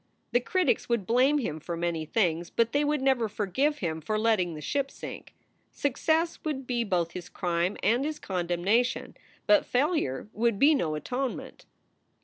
The critics would blame him for many things, but they would never forgive him for letting the ship sink. Success would be both his crime and his condemnation, but failure would be no atonement.